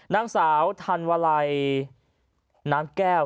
นางสาวธันวาลัยน้ำแก้ว